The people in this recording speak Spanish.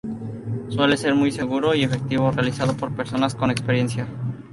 Suele ser muy seguro y efectivo, realizado por personas con experiencia.